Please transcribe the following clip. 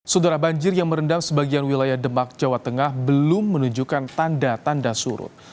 sudara banjir yang merendam sebagian wilayah demak jawa tengah belum menunjukkan tanda tanda surut